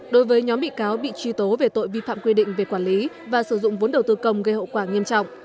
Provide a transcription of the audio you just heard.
đối với nhóm bị cáo bị truy tố về tội vi phạm quy định về quản lý và sử dụng vốn đầu tư công gây hậu quả nghiêm trọng